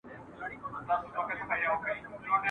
ستا تر آوازه مي بلاله ژوند په داو وهلی !.